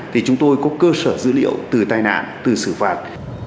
thì chúng tôi có cơ sở dữ liệu từ tai nạn từ xử phạt